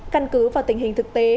căn cứ vào tình hình thực tế